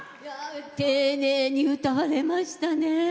丁寧に歌われましたね。